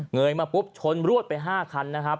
ยมาปุ๊บชนรวดไป๕คันนะครับ